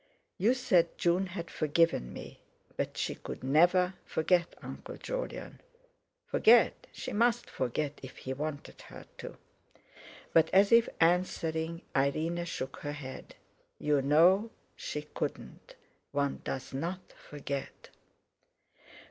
"You said June had forgiven me; but she could never forget, Uncle Jolyon." Forget! She must forget, if he wanted her to. But as if answering, Irene shook her head. "You know she couldn't; one doesn't forget."